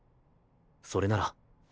それなら。